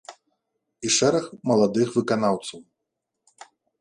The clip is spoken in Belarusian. І шэраг маладых выканаўцаў.